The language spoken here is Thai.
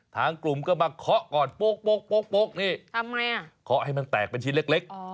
ทางกลุ่มก็มาเคาะก่อนโป๊กนี่เคาะให้มันแตกเป็นชิ้นเล็ก